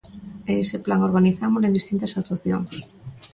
E ese plan organizámolo en distintas actuacións.